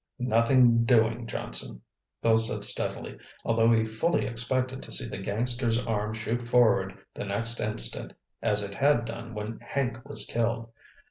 "Nothing doing, Johnson," Bill said steadily, although he fully expected to see the gangster's arm shoot forward the next instant, as it had done when Hank was killed.